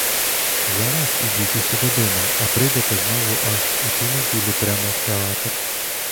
Зараз ідіть усі додому, а прийдете знову аж у ту неділю прямо в театр.